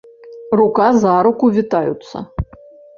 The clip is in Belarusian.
Рука за руку вітаюцца.